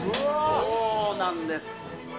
そうなんです。